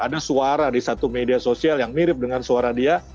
ada suara di satu media sosial yang mirip dengan suara dia